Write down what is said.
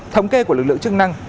thống kê của lực lượng chức năng